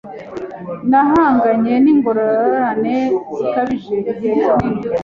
Nahanganye ningorane zikabije igihe kinini.